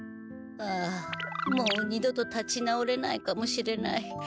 ああもう二度と立ち直れないかもしれない。